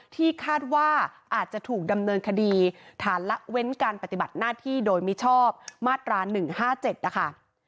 ที่คาดว่าอาจจะถูกดำเนินคดีฐานละเว้นการปฏิบัติหน้าที่โดยมิชอบมาตรา๑๕๗นะคะ